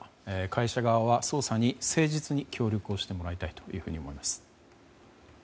会社側は捜査に誠実に協力をしてもらいたいと思います。